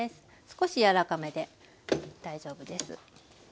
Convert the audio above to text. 少し柔らかめで大丈夫です。